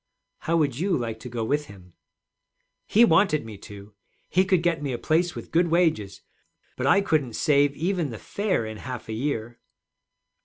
'How would you like to go with him?' 'He wanted me to. He could get me a place with good wages. But I couldn't save even the fare in half a year.'